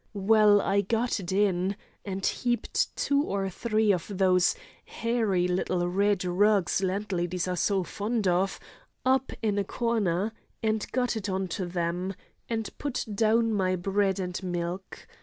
Well, I got it in, and heaped two or three of those hairy little red rugs landladies are so fond of, up in a corner; and got it on to them, and put down my bread and milk.